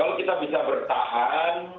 kalau kita bisa bertahan